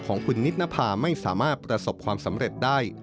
ของคุณนิดนภาไม่สามารถประสบความสำเร็จได้